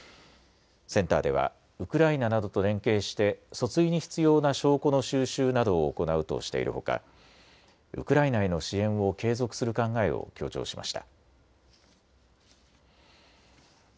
センターではウクライナなどと連携して訴追に必要な証拠の収集などを行うとしているほか、ウクライナへの支援を継続する考えを強調しました。